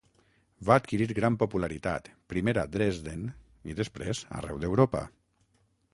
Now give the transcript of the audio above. Va adquirir gran popularitat, primer a Dresden i després arreu d'Europa.